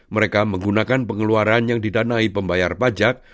mereka menggunakan pengeluaran yang didanai pembayar pajak